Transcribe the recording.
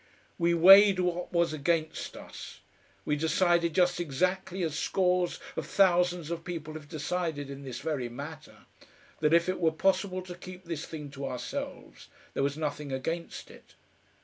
We weighed what was against us. We decided just exactly as scores of thousands of people have decided in this very matter, that if it were possible to keep this thing to ourselves, there was nothing against it.